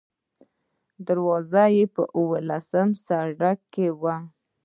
دروازه یې اوولسم سړک کې وه.